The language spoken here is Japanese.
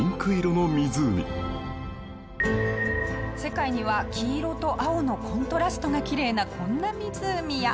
世界には黄色と青のコントラストがきれいなこんな湖や。